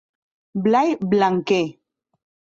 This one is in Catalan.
Blai Blanquer.